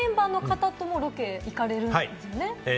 そして武田さん、別の曜日メンバーの方ともロケに行かれるんですね。